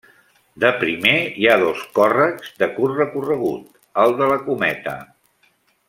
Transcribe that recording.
De primer hi ha dos còrrecs de curt recorregut: el de la Cometa.